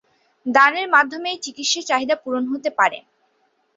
দানের মাধ্যমে চিকিৎসা চাহিদা পূরণ হতে পারে।